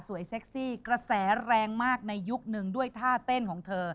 เซ็กซี่กระแสแรงมากในยุคนึงด้วยท่าเต้นของเธอ